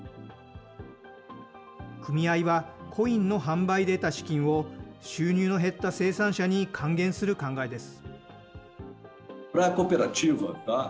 組合はコインの販売で得た資金を収入の減った生産者に還元する考えです。